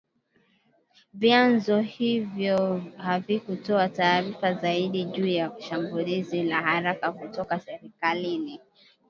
Vyanzo hivyo havikutoa taarifa zaidi juu ya shambulizi la haraka kutoka serikalini